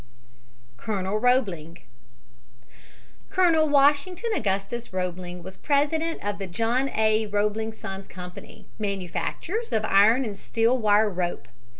COLONEL ROEBLING Colonel Washington Augustus Roebling was president of the John A. Roebling Sons' Company, manufacturers of iron and steel wire rope.